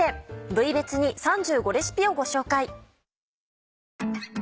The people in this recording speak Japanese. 部位別に３５レシピをご紹介。